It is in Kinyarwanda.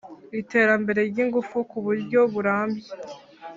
Iterambere ry ingufu ku buryo burambye